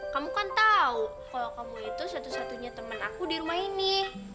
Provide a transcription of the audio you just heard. kamu kan tau kalo kamu itu satu satunya temen aku di rumah ini